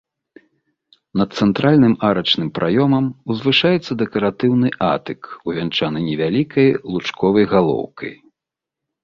Над цэнтральным арачным праёмам узвышаецца дэкаратыўны атык, увянчаны невялікай лучковай галоўкай.